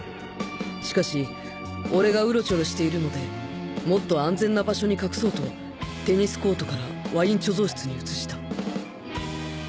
しかし俺がウロチョロしているのでもっと安全な場所に隠そうとテニスコートからワイン貯蔵室に移した